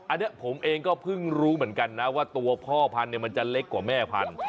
อันนี้ผมเองก็เพิ่งรู้เหมือนกันนะว่าตัวพ่อพันธุ์มันจะเล็กกว่าแม่พันธุ